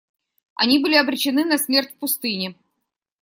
Они были обречены на смерть в пустыне.